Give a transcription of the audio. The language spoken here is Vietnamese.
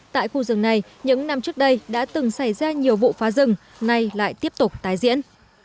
tại khu rừng này những năm trước đây đã từng xảy ra nhiều vụ phá rừng nay lại tiếp tục tái diễn